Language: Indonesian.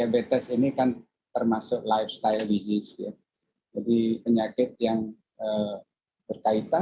munculnya yang tadinya pre diabetes